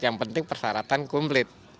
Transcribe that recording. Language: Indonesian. yang penting persyaratan kumplit